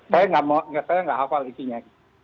saya tidak hafal isinya